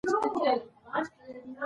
د خدای دوستان راغلي وو.